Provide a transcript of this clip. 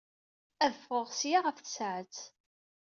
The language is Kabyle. Ad d-ffɣeɣ seg-a ɣef tsaɛet.